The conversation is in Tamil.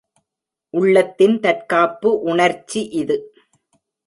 உள்ளத்தின் தற்காப்பு உணர்ச்சி இது.